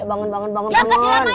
bangun bangun bangun bangun